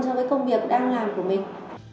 so với công việc đang làm của mình